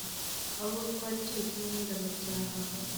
abo twari turi kumwe ndabacyaha